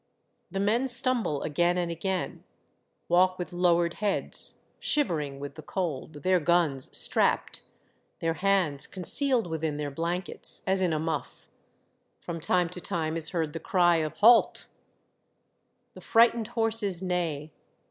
The men stumble again and again, walk with lowered heads, shivering with the cold, their guns strapped, their 94 Monday Tales, hands concealed within their blankets, as in a muff. From time to time is heard the cry of " Halt !" The frightened horses neigh.